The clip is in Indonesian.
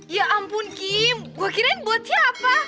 ya ampun kim gua kirain buat siapa